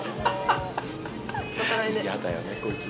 やだよね、こいつ。